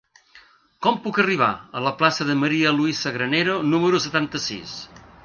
Com puc arribar a la plaça de María Luisa Granero número setanta-sis?